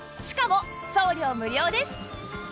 しかも送料無料です